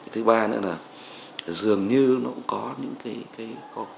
thứ ba nữa là dường như nó cũng có những cái lúc mà chúng ta